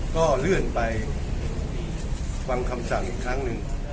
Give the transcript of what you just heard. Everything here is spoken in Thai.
ก็เลื่อนไปฟังคำสั่งอีกครั้งหนึ่ง